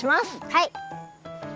はい。